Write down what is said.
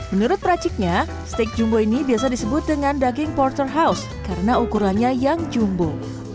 menurut praciknya steak jumbo ini biasa disebut dengan daging porterhouse karena ukurannya yang jumbo